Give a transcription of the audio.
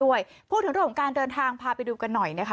พูดถึงเรื่องของการเดินทางพาไปดูกันหน่อยนะคะ